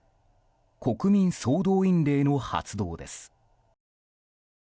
国民総動員令の発動です。